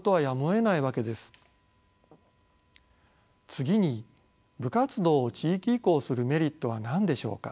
次に部活動を地域移行するメリットは何でしょうか。